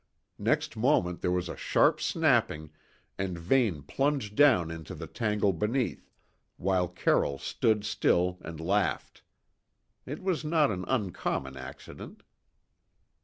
Next moment there was a sharp snapping, and Vane plunged down into the tangle beneath, while Carroll stood still and laughed. It was not an uncommon accident.